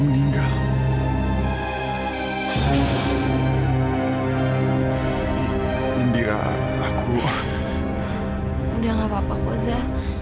udah gak apa apa moza